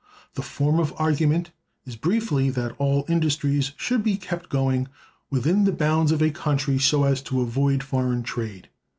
The form of argument is, briefly, that all industries should be kept going within the bounds of a country so as to avoid foreign trade.